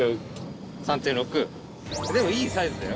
３．６！でもいいサイズだよ！